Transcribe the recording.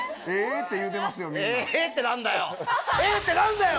って言うてますよ。